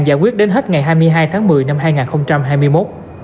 giải quyết đến hết ngày hai mươi hai tháng một mươi năm hai nghìn hai mươi một